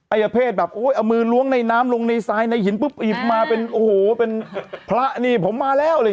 ไอ้อเภทแบบเอามือล้วงในน้ำลงในสายในหินปุ๊บอีบมาเป็นพระนี่ผมมาแล้ว